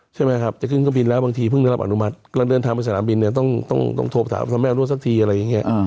ใช่ไหมครับจะขึ้นขึ้นบินแล้วบางทีเพิ่งได้รับอนุมัติกำลังเดินทางไปสถานบินเนี่ยต้องต้องต้องโทรประถามแม่ร่วมสักทีอะไรอย่างเงี้ย